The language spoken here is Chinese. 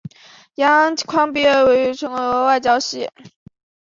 杨基宽毕业于国立成功大学外文系。